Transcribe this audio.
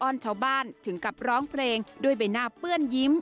้อนชาวบ้านถึงกับร้องเพลงด้วยใบหน้าเปื้อนยิ้ม